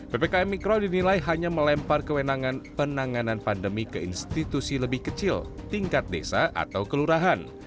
ppkm mikro dinilai hanya melempar kewenangan penanganan pandemi ke institusi lebih kecil tingkat desa atau kelurahan